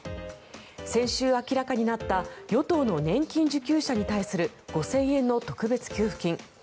先週明らかになった与党の年金受給者に対する５０００円の特別給付金。